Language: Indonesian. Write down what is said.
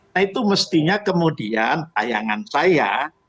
nah itu mestinya kemudian tayangan saya